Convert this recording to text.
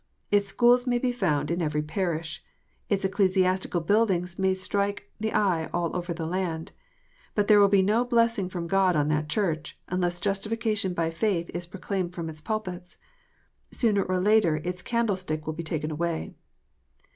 Its schools may be found in every parish. Its ecclesiastical buildings may strike the eye all over the land. But there will be no blessing from God on that Church, unless justification by faith is proclaimed from its pulpits. Sooner or later its candlestick will be taken away.